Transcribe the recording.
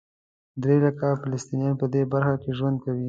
درې لکه فلسطینیان په دې برخه کې ژوند کوي.